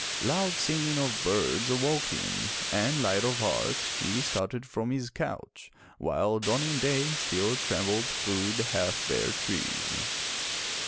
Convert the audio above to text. Loud singing of birds awoke him, and, light of heart, he started from his couch, while dawning day still trembled through the half bare trees.